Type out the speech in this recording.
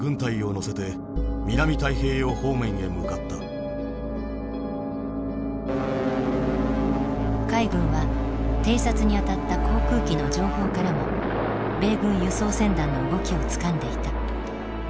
今朝海軍は偵察に当たった航空機の情報からも米軍輸送船団の動きをつかんでいた。